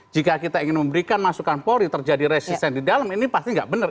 jika kita ingin memberikan masukan polri terjadi resisten di dalam ini pasti nggak benar